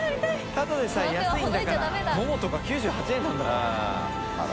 ただでさえ安いんだからももとか９８円なんだから。